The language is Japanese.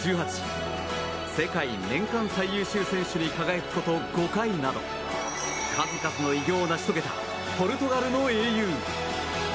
世界年間最優秀選手に輝くこと５回など数々の偉業を成し遂げたポルトガルの英雄。